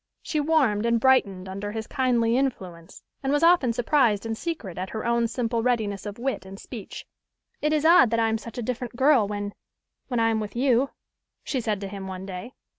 She warmed and brightened under his kindly influence, and was often surprised in secret at her own simple readiness of wit and speech. "It is odd that I am such a different girl when when I am with you," she said to him one day.